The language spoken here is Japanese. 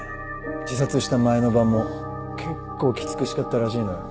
自殺した前の晩も結構きつく叱ったらしいのよ。